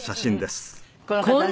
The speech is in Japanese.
この方ね